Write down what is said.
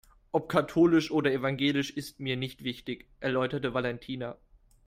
Ob katholisch oder evangelisch ist mir nicht wichtig, erläuterte Valentina.